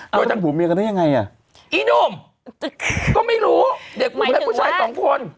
โดยทั้งคู่เมียกันเนี่ยยังไงอ่ะอีนุ่มก็ไม่รู้เด็กผู้หลายผู้ชายสองคน